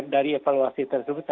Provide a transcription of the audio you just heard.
dari evaluasi tersebut